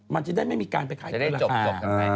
มันจะได้ไม่มีการไปขายเกินราคา